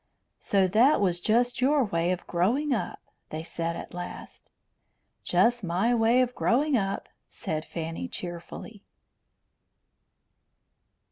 "So that was just your way of growing up!" they said at last. "Just my way of growing up," said Fanny cheerfully.